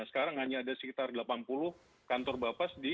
sekarang hanya ada sekitar delapan puluh kantor bapas di